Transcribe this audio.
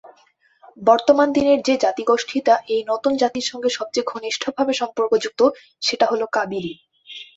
বর্তমান দিনের যে-জাতিগোষ্ঠীটা এই নতুন জাতির সঙ্গে সবচেয়ে ঘনিষ্ঠভাবে সম্পর্কযুক্ত, সেটা হল কাবিল।